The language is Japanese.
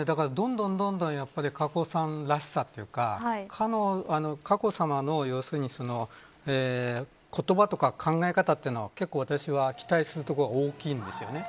僕は、どんどんどんどん佳子さまらしさというか佳子さまの言葉とか、考え方というのは結構期待するところが大きいんです。